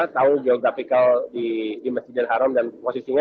tahun geografikal di masjid al haram dan posisinya